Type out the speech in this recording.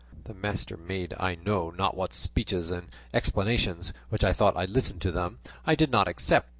The master made I know not what speeches and explanations, which, though I listened to them, I did not accept.